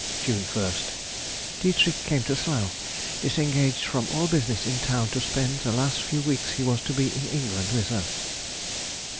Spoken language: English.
June 1st.—Dietrich came to Slough, disengaged from all business in town to spend the last few weeks he was to be in England with us.